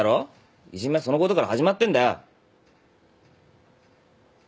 いじめはそのことから始まってんだよ。